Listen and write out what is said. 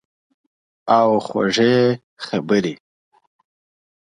او خوږې خبرې